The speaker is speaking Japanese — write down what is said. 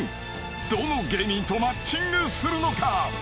［どの芸人とマッチングするのか？］